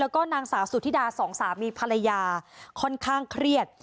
แล้วก็นางสาวสุธิดาสองสามีภรรยาค่อนข้างเครียด